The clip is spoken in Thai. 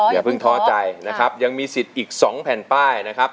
อย่าเพิ่งท้อใจนะครับยังมีสิทธิ์อีก๒แผ่นป้ายนะครับ